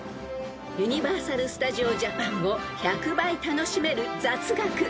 ［ユニバーサル・スタジオ・ジャパンを１００倍楽しめる雑学］